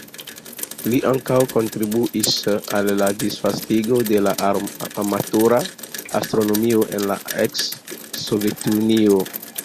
Li ankaŭ kontribuis al la disvastigo de la amatora astronomio en la eks-Sovetunio.